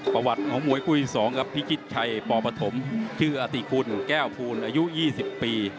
ประวัติของมวยคู่ที่๒ครับพิจิตชัยปปฐมชื่ออติคุณแก้วภูลอายุ๒๐ปี